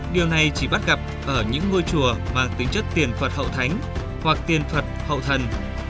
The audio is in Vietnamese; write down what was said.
điều này chỉ bắt gặp ở những ngôi chùa mang tính chất tiền phật hậu thánh hoặc tiền phật hậu thần